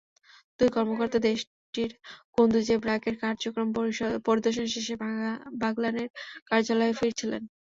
দুই কর্মকর্তা দেশটির কুন্দুজে ব্র্যাকের কার্যক্রম পরিদর্শন শেষে বাগলানের কার্যালয়ে ফিরছিলেন।